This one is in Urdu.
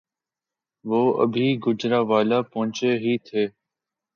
وہ ابھی گوجرانوالہ پہنچے ہی تھے